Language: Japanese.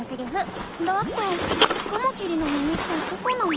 だってカマキリの耳ってどこなの？